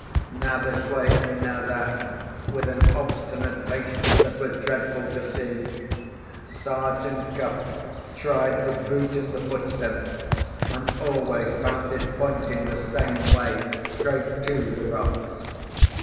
Now this way and now that, with an obstinate patience that was dreadful to see, Sergeant Cuff tried the boot in the footsteps, and always found it pointing the same way—straight to the rocks.